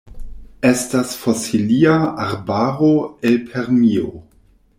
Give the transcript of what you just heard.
Estas fosilia arbaro el Permio.